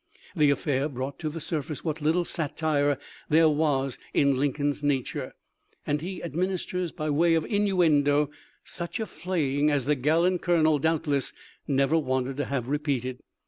The affair brought to the surface what little satire there was in Lincoln's nature, and he administers— by way of innuendo — such a flaying as the gallant colonel doubtless never wanted to, have repeated.